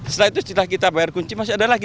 setelah itu setelah kita bayar kunci masih ada lagi